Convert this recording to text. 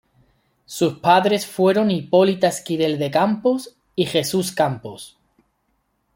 Sus padres fueron Hipólita Esquivel de Campos y Jesús Campos.